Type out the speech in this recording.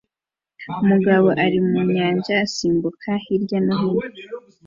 Umugabo ari mu nyanja asimbuka hirya no hino